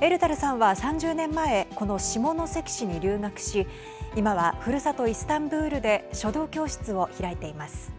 エルダルさんは３０年前この下関市に留学し今は、ふるさとイスタンブールで書道教室を開いています。